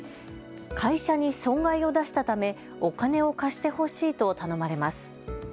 会社に損害を出したためお金を貸してほしいと頼まれます。